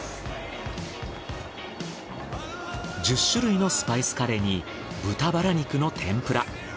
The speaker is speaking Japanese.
１０種類のスパイスカレーに豚バラ肉の天ぷら。